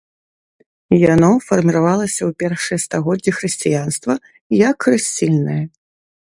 Яно фарміравалася ў першыя стагоддзі хрысціянства як хрысцільнае.